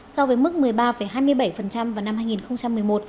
so với mức một mươi ba hai mươi bảy vào năm hai nghìn một mươi một